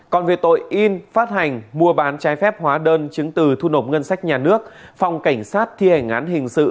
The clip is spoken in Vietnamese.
còn về tội in phát hành mua bán trái phép hóa đơn chứng từ thu nộp ngân sách nhà nước phòng cảnh sát thi hành án hình sự